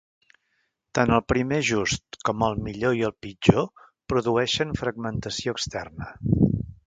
Tant el primer ajust, com el millor i el pitjor produeixen fragmentació externa.